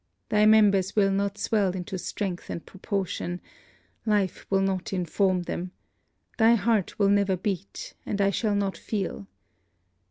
thy members will not swell into strength and proportion. Life will not inform them. Thy heart will never beat, and it shall not feel.